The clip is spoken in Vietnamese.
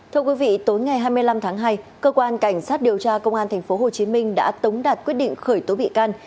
thưa quý vị tối ngày hai mươi năm tháng hai cơ quan cảnh sát điều tra công an tp hcm đã tống đạt quyết định khởi tố bị can